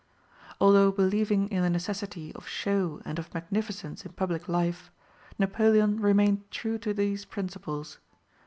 Although believing in the necessity of show and of magnificence in public life, Napoleon remained true to these principles.